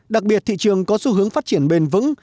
đặc biệt thị trường có xu hướng phát triển bền vững